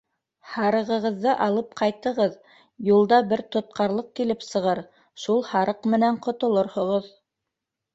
Һарығығыҙҙы алып ҡайтығыҙ, юлда бер тотҡарлыҡ килеп сығыр, шул һарыҡ менән ҡотолорһоғоҙ...